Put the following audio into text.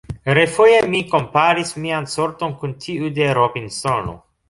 Refoje mi komparis mian sorton kun tiu de Robinsono.